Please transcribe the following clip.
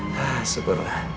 hah syukur lah